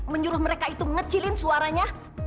menyuruh mereka itu ngecilin suaranya